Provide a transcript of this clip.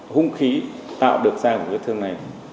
khung khí tạo được dao của cái thương này